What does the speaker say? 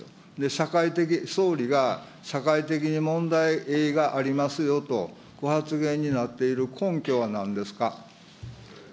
社会的、総理が社会的に問題がありますよとご発言になっている根拠はなんですか。